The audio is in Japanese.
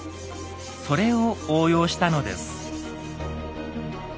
それを応用したのです。